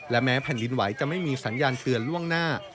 แม้แผ่นดินไหวจะไม่มีสัญญาณเตือนล่วงหน้า